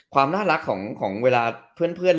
ความน่ารักของเวลาเพื่อน